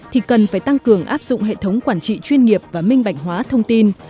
thì cần phải tăng cường áp dụng hệ thống quản trị chuyên nghiệp và minh bạch hóa thông tin